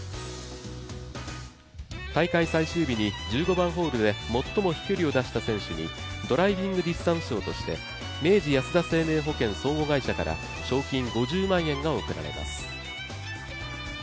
大会最終日に１５番ホールで最も飛距離を出した選手にドライビングディスタンス賞として、明治安田生命保険相互会社から賞金５０万円が贈られます。